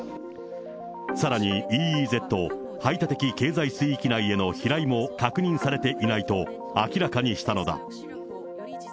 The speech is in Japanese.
さらにＥＥＺ・排他的経済水域内への飛来も確認されていないと明らかにしたのだ。